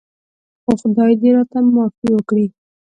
خو خدای دې راته معافي وکړي.